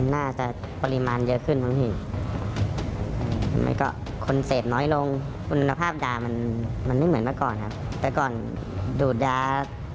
น่าจะปริมาณเยอะขึ้นของสิทธิ์แต่ได้กล่าวคนเสพน้อยลงคุณภาพยามันไม่เหมือนกับก่อนครับแต่ก่อนดูดยาก